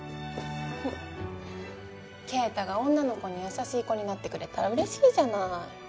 圭太が女の子に優しい子になってくれたら嬉しいじゃない。